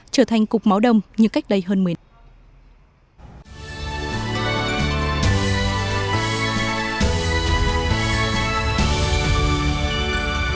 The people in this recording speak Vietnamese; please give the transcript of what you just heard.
trở thành cục máu đông như cách đây hơn miền